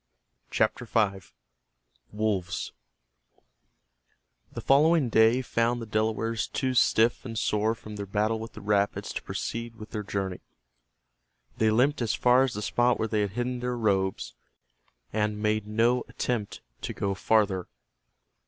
CHAPTER V—WOLVES The following day found the Delawares too stiff and sore from their battle with the rapids to proceed with their journey. They limped as far as the spot where they had hidden their robes, and made no attempt to go farther.